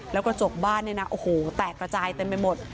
แล้วกระจกบ้านเนี่ยนะโอ้โหแตกระจายเต็มไปหมด